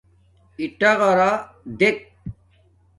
اِٹَغَرݳ دݵک.